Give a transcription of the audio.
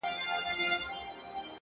• په پخوا کي یو ښکاري وو له ښکاریانو ,